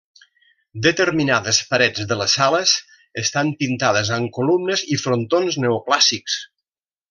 Determinades parets de les sales estan pintades amb columnes i frontons neoclàssics.